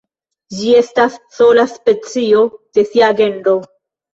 Ĝi estas sola specio de sia genro.